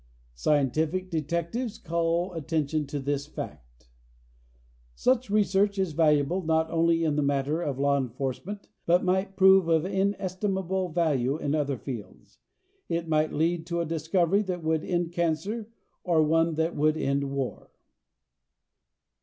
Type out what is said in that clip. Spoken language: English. Scientific detectives call attention to this fact: "Such research is valuable not only in the matter of law enforcement but might prove of inestimable value in other fields. It might lead to a discovery that would end cancer or one that would end war."